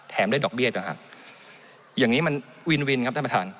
ได้ดอกเบี้ยนะครับอย่างนี้มันวินวินครับท่านประธาน